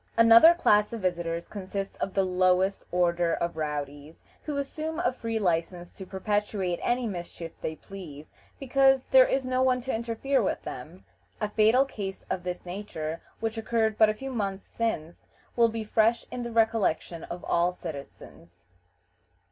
Another class of visitors consists of the lowest order of rowdies, who assume a free license to perpetrate any mischief they please, because there is no one to interfere with them. A fatal case of this nature, which occurred but a few months since, will be fresh in the recollection of all citizens.